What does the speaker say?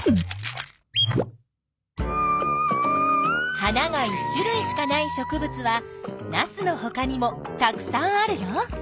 花が１種類しかない植物はナスのほかにもたくさんあるよ。